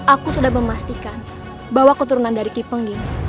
aku sudah memastikan bahwa keturunan dari kipengging